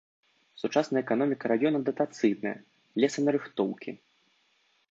Сучасная эканоміка раёна датацыйная, лесанарыхтоўкі.